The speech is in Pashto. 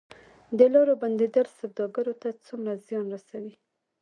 د لارو بندیدل سوداګرو ته څومره زیان رسوي؟